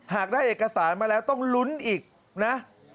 หากได้เอกสารมาแล้วต้องลุ้นอีกนะ